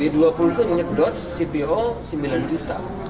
itu menyedot cpo sembilan juta